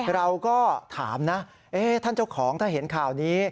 เราก็ถามนะท่านเจ้าของถ้าเห็นข่าวนี้